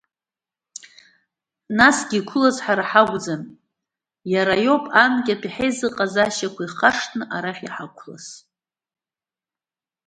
Насгьы иқәылаз ҳара ҳакәӡам, иара иоуп анкьатәи ҳаизыҟазаашьақәа ихаршҭны арахь иҳақәлаз!